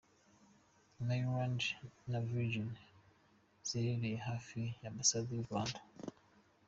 Maryland na Virginia ziherereye hafi y’ambasade y’u Rwanda.